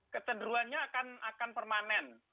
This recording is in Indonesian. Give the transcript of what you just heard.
keterderuannya akan permanen